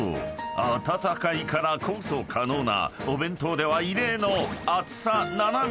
温かいからこそ可能なお弁当では異例の］